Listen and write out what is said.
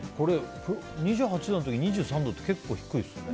２８度の時に２３度って結構低いですね。